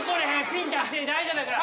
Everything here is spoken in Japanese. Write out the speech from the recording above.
ビンタして大丈夫やから。